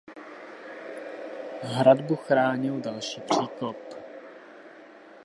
Hradbu chránil další příkop.